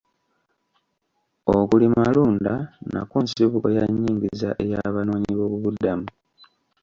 Okulimalunda nakwo nsibuko ya nyingiza ey'abanoonyi b'obubuddamu.